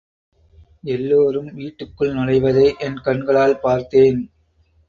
எல்லோரும் வீட்டுக்குள் நுழைவதை என் கண்களால் பார்த்தேன்.